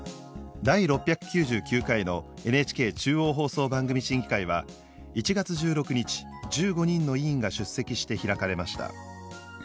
第６９９回のＮＨＫ中央放送番組審議会は１月１６日１５人の委員が出席して開かれました。